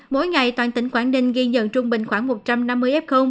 mỗi ngày toàn tỉnh quảng ninh ghi nhận trung bình khoảng một trăm năm mươi f